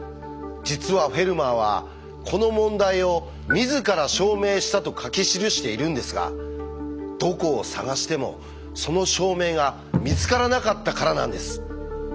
実はフェルマーはこの問題を「自ら証明した」と書き記しているんですがどこを探してもその証明が見つからなかったからなんです。